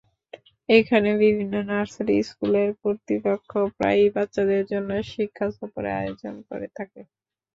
এখানে বিভিন্ন নার্সারি স্কুলের কর্তৃপক্ষ প্রায়ই বাচ্চাদের জন্য শিক্ষাসফরের আয়োজন করে থাকে।